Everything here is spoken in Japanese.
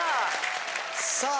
さあ